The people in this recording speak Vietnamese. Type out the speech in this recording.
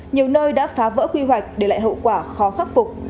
nhiều nơi đã phá vỡ quy hoạch để lại hậu quả khó khắc phục